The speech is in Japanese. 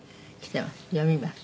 「読みます」